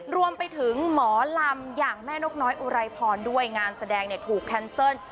รวมไปถึงหมอลำอย่างแม่นกน้อยอุไรพรด้วยงานแสดงเนี่ยถูกแคนเซิล